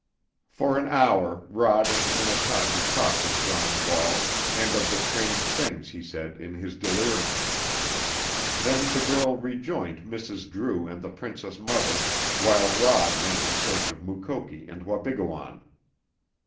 For an hour Rod and Minnetaki talked of John Ball and of the strange things he said in his delirium. Then the girl rejoined Mrs. Drew and the princess mother, while Rod went in search of Mukoki and Wabigoon.